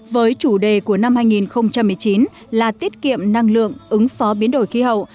với chủ đề của năm hai nghìn một mươi chín là tiết kiệm năng lượng ứng phó biến đổi khí hậu